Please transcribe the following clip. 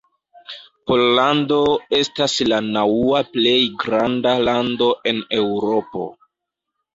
Pollando estas la naŭa plej granda lando en Eŭropo.